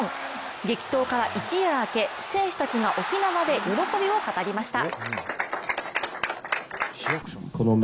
激闘から一夜明け、選手たちが沖縄で喜びを語りました。